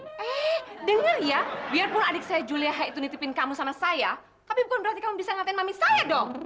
eh denger ya biarpun adik saya julia hai itu nitipin kamu sama saya tapi bukan berarti kamu bisa ngantain mami saya dong